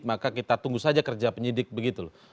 maka kita tunggu saja kerja penyidik begitu loh